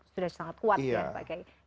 sudah sangat kuat ya pak gai